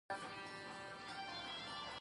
غلاوې ډیریږي.